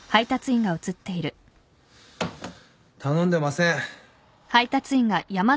頼んでません。